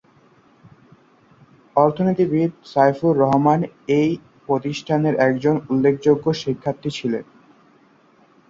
অর্থনীতিবিদ সাইফুর রহমান এই প্রতিষ্ঠানের একজন উল্লেখযোগ্য শিক্ষার্থী ছিলেন।